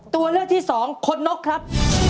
ตัวเลือกที่สองคนนกครับ